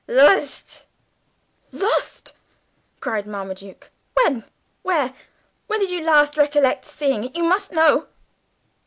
Losht!" "Lost!" cried Marmaduke. "When, where? When do you last recollect seeing it? you must know!"